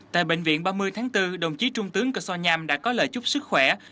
tại bệnh viện ba mươi tháng bốn đồng chí trung tướng cơ son nham đã có lời chúc sức khỏe